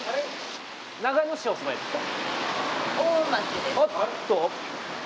長野市、お住まいですか？